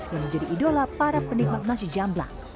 yang menjadi idola para penikmat nasi jamblang